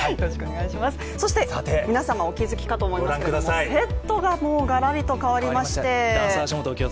そして皆様お気づきかと思いますがセットがもうがらっと変わりまして。